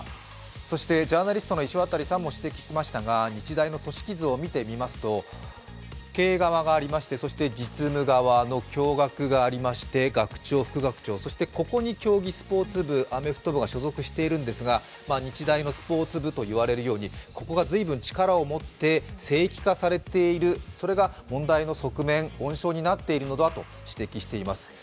そしてジャーナリストの石渡さんも指摘しましたが経営側がありまして実務側の教学がありまして学長、副学長、そしてここに競技スポーツ部アメフト部が所属しているわけですが日大のスポーツ部と言われるように、ここが随分力を持って、聖域化されている、それが問題の温床になっているのだと指摘しています。